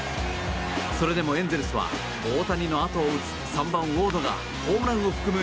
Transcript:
それでもエンゼルスは大谷のあとを打つ３番、ウォードがホームランを含む